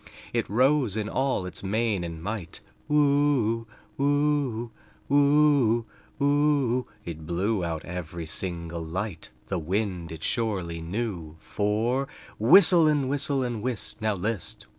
It rose in all its main and might Woo oo, woo oo, woo oo, woo oo It blew out every single light; The Wind it surely knew FOR Whistle and whistle and whist! Now list!